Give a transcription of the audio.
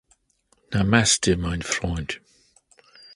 Namaste, mein Freund!